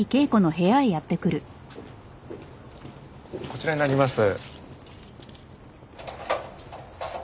こちらになります。